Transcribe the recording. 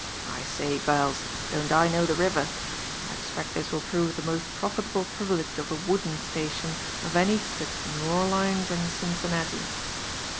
I say, gals, don't I know the river? 1 expect this will prove the most profitable privilege of a wooding station of any 'twixt New Orlines and Cincinnati.